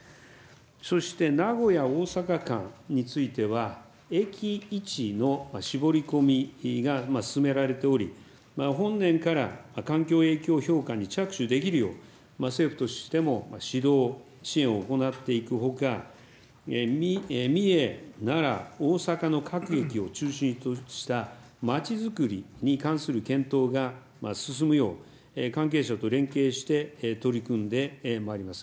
そして名古屋・大阪間については、駅位置の絞り込みが進められており、本年から環境影響評価に着手できるよう、政府としても指導、支援を行っていくほか、三重、奈良、大阪の各駅を中心としたまちづくりに関する検討が進むよう、関係者と連携して取り組んでまいります。